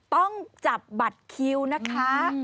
ต้องจับบัตรคิวนะคะ